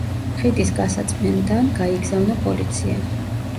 ხიდის გასაწმენდან გაიგზავნა პოლიცია.